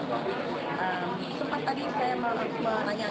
sempat tadi saya mau bertanya